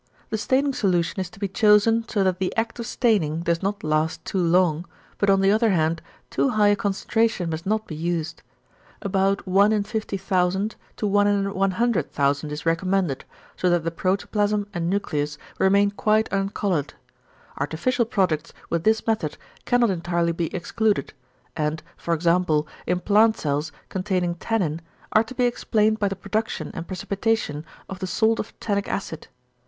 The staining solution is to be chosen so that the act of staining does not last too long, but on the other hand too high a concentration must not be used. About 1/50000 to 1/100000 is recommended, so that the protoplasm and nucleus remain quite uncoloured. Artificial products with this method cannot entirely be excluded, and, e.g. in plant cells containing tannin, are to be explained by the production and precipitation of the salt of tannic acid.